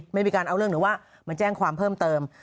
ไม่มีการเอาเรื่องหรือว่ามาแจ้งความเพิ่มเติม